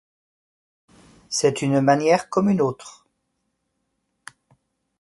C’est une manière comme une autre.